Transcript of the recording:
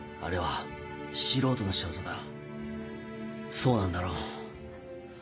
そうなんだろ？